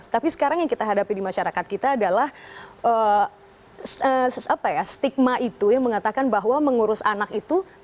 tapi sekarang yang kita hadapi di masyarakat kita adalah stigma itu yang mengatakan bahwa mengurus anak itu